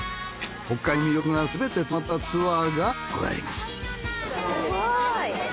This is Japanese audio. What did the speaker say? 北海道の魅力がすべて詰まったツアーがございます。